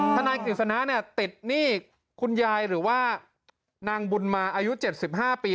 ทนายกฤษณะเนี่ยติดหนี้คุณยายหรือว่านางบุญมาอายุ๗๕ปี